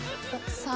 さあ？